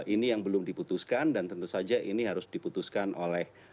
ini yang belum diputuskan dan tentu saja ini harus diputuskan oleh